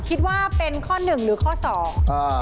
คิดว่าเป็นข้อหนึ่งหรือข้อสองอ่า